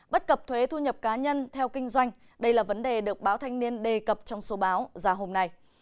bất cập thuế thu nhập cá nhân theo kinh doanh đây là vấn đề được báo thanh niên đề cập trong số báo ra hôm nay